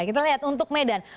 kita lihat untuk medan